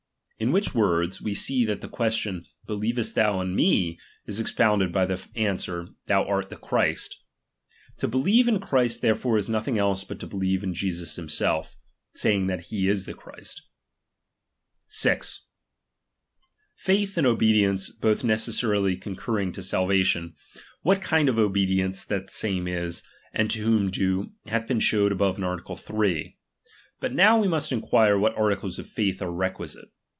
Tn which words, we see that the question, believest thou in me, is expounded by the answer, thou art the Christ. To believe in Christ therefore is nothing else but to beUeve Jesus himself, saying that he is the Christ. 6. Faith and obedience both necessarily con curring to salvation, what kind of obedience that same is, and to whom due, hath been showed above in art. 3. But now we must enquire what articles of faith are requisite.